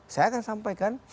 saya akan sampaikan